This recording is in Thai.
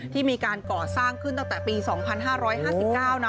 ที่มีการก่อสร้างขึ้นตั้งแต่ปี๒๕๕๙นะ